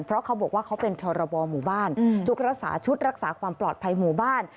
เพราะเขาบอกว่าเขาเป็นชรบหมู่บ้านทุกรักษาชุดรักษาความปลอดภัยหมู่บ้าน